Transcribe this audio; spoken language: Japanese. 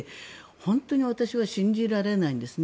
本当に私は信じられないんですね。